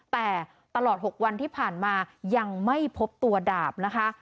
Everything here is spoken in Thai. แต่ตลอด๖วันที่ผ่านมายังไม่พบตัวดาบนะคะ